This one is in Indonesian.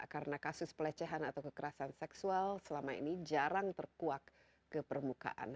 karena kasus pelecehan atau kekerasan seksual selama ini jarang terkuak ke permukaan